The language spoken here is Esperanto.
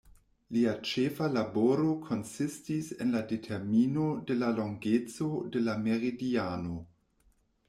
Lia ĉefa laboro konsistis en la determino de la longeco de la meridiano.